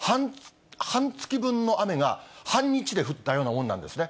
半月分の雨が半日で降ったようなもんなんですね。